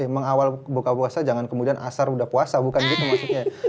mengawal buka puasa jangan kemudian asar udah puasa bukan gitu maksudnya ya